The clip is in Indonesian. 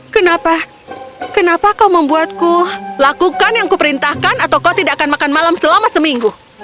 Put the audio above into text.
kenapa kenapa kau membuatku lakukan yang kuperintahkan atau kau tidak akan makan malam selama seminggu